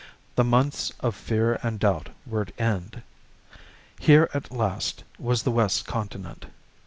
The months of fear and doubt were at end. Here, at last, was the west continent.